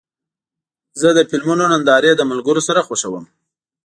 زه د فلمونو نندارې له ملګرو سره خوښوم.